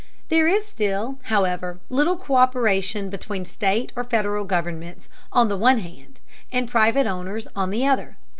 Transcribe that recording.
There is still, however, little co÷peration between state or Federal governments on the one hand, and private owners on the other.